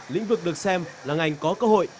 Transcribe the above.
lĩnh vực được xem là ngành có cơ hội